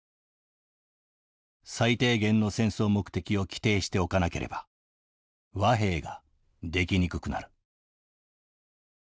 最低限の戦争目的を規定しておかなければ和平ができにくくなる」。